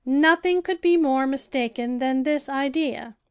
Nothing could be more mistaken than this idea.